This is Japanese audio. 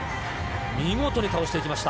見事に倒していきました。